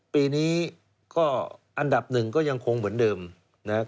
ปีนี้ก็อันดับหนึ่งก็ยังคงเหมือนเดิมนะครับ